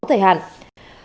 tòa tuyên phạt đinh ngọc hệ